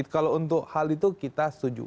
kalau untuk hal itu kita setuju